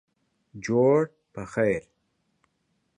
جوړ پخیر